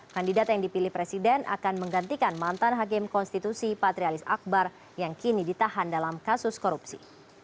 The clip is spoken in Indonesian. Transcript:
kandidat yang dipilih presiden akan menggantikan mantan hakim konstitusi patrialis akbar yang kini ditahan dalam kasus korupsi